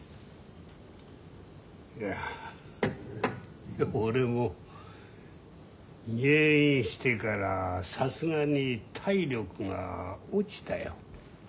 いや俺も入院してからさすがに体力が落ちたよ。